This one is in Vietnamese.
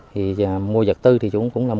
thì mua vật tư thì cũng là mua vật tư